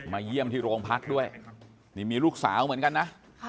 เยี่ยมที่โรงพักด้วยนี่มีลูกสาวเหมือนกันนะ